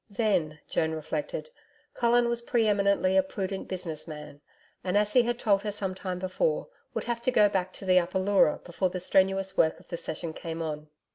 Then, Joan reflected, Colin was pre eminently a prudent business man, and, as he had told her some time before, would have to go back to the Upper Leura before the strenuous work of the Session came on.